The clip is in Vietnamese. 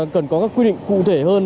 cần có các quy định cụ thể hơn